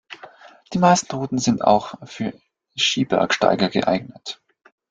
Die meisten Routen sind auch für Skibergsteiger geeignet.